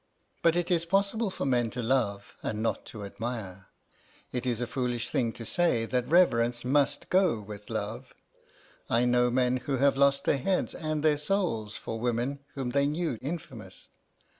But it is possible for men to love and not to admire. It is a foolish thing to say that reverence must go with love. I know men who have lost their heads and their souls for women whom they knew infamous.